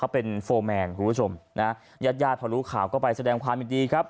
เป็นโฟร์แมนคุณผู้ชมนะญาติญาติพอรู้ข่าวก็ไปแสดงความยินดีครับ